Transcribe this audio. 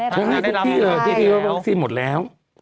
จำนวนได้ไม่เกิน๕๐๐คนนะคะ